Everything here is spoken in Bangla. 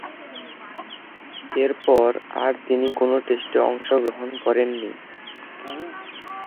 এরপর আর তিনি কোন টেস্টে অংশগ্রহণ করেননি।